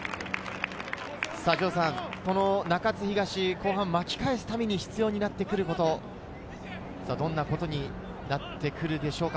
中津東、後半巻き返すために必要になってくること、どんなことになってくるでしょうか。